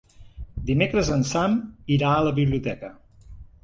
Dimecres en Sam irà a la biblioteca.